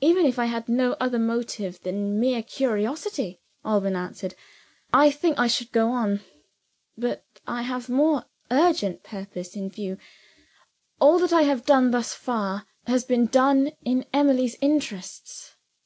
"Even if I had no other motive than mere curiosity," Alban answered, "I think I should go on. But I have a more urgent purpose in view. All that I have done thus far, has been done in Emily's interests.